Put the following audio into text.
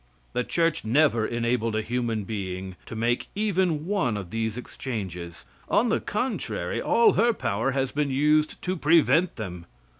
The Church never enabled a human being to make even one of these exchanges; on the contrary, all her power has been used to prevent them.